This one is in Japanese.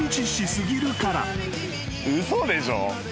嘘でしょ？